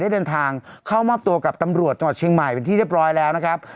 เดินทางเข้ามอบตัวกับตำรวจจังหวัดเชียงใหม่เป็นที่เรียบร้อยแล้วนะครับ